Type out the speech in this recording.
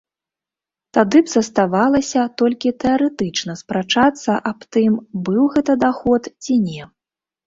Тады б заставалася толькі тэарэтычна спрачацца аб тым, быў гэта даход ці не.